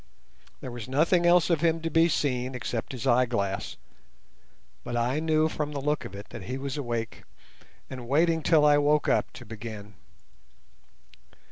There was nothing else of him to be seen except his eyeglass, but I knew from the look of it that he was awake, and waiting till I woke up to begin.